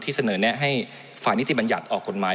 เสนอแนะให้ฝ่ายนิติบัญญัติออกกฎหมาย